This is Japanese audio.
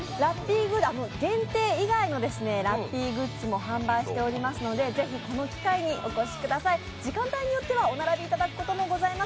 限定以外のラッピーグッズも販売しておりますのでぜひ、この機会にお越しください時間帯によってはお並びいただくこともございます。